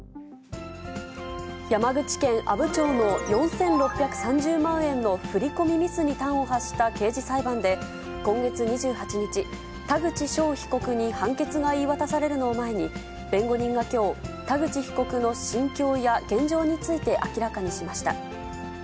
山口県阿武町の４６３０万円の振り込みミスに端を発した刑事裁判で、今月２８日、田口翔被告に判決が言い渡されるのを前に、弁護人がきょう、田口被告の心境や現状について明らかにしました。